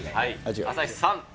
朝日さん。